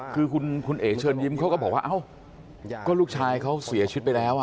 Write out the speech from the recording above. คือคุณเอ๋เชิญยิ้มเขาก็บอกว่าเอ้าก็ลูกชายเขาเสียชีวิตไปแล้ว